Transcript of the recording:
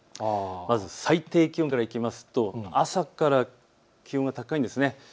最低気温からいくと朝から気温が高いんです。